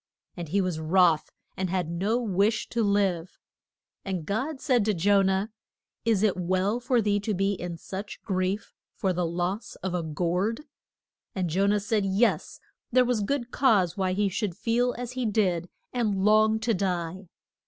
And he was wroth, and had no wish to live. And God said to Jo nah, Is it well for thee to be in such grief for the loss of a gourd? And Jo nah said, Yes. There was good cause why he should feel as he did and long to die.